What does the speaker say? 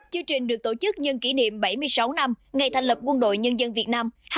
chương trình được tổ chức nhân kỷ niệm bảy mươi sáu năm ngày thành lập quân đội nhân dân việt nam